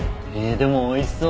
でも美味しそう！